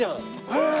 へえ！